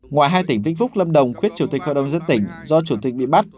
ngoài hai tỉnh vĩnh phúc lâm đồng khuyết chủ tịch khởi đồng dân tỉnh do chủ tịch bị bắt